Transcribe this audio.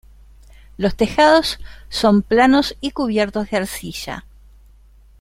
Los tejados son planos y cubiertos de arcilla.